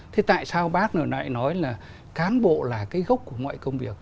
thế tại sao bác hồi nãy nói là cán bộ là cái gốc của mọi công việc